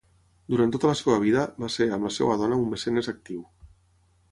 Durant tota la seva vida, va ser, amb la seva dona un mecenes actiu.